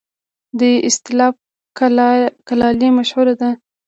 د استالف کلالي مشهوره ده